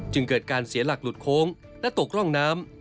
จึงเกิดการเสียหลักหลุดโค้งและตกร่องน้ำ